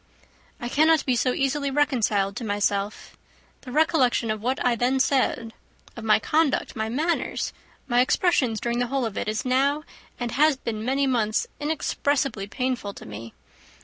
"I cannot be so easily reconciled to myself. The recollection of what I then said, of my conduct, my manners, my expressions during the whole of it, is now, and has been many months, inexpressibly painful to me.